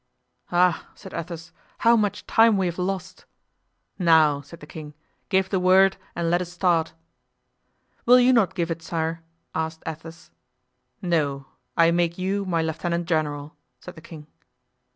"Ah!" said Athos, "how much time we have lost." "Now," said the king, "give the word and let us start." "Will you not give it, sire?" asked Athos. "No; I make you my lieutenant general," said the king.